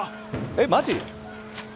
えっマジ？